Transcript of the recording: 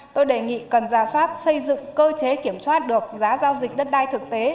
tôi đề nghị cần giả soát xây dựng cơ chế kiểm soát được giá giao dịch đất đai thực tế